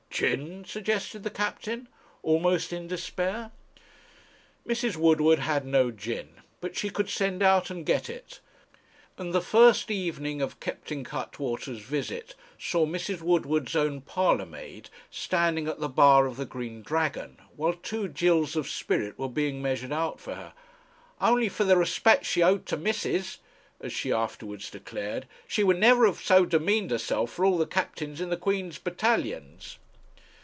'Gin?' suggested the captain, almost in despair. Mrs. Woodward had no gin, but she could send out and get it; and the first evening of Captain Cuttwater's visit saw Mrs. Woodward's own parlour maid standing at the bar of the Green Dragon, while two gills of spirits were being measured out for her. 'Only for the respect she owed to Missus,' as she afterwards declared, 'she never would have so demeaned herself for all the captains in the Queen's battalions.'